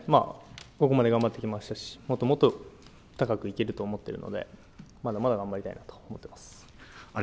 ここまで頑張ってきましたし、もっともっと高く行けると思っているので、まだまだ頑張りたいなと思っています。